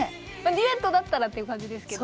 デュエットだったらっていう感じですけど。